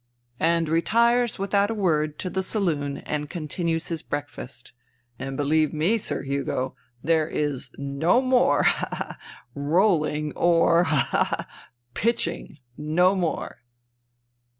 "— and retires, without a word, to the saloon and continues his breakfast. And beheve me, Sir Hugo, there is no more — ha, ha, ha — rolling or — ha, ha, ha — pitching \ No more."